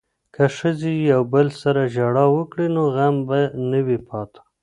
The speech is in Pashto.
که ښځې یو بل سره ژړا وکړي نو غم به نه وي پاتې.